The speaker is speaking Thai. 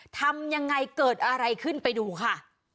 ทำยังไงเกิดอะไรขึ้นไปดูค่ะ